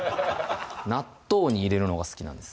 納豆に入れるのが好きなんです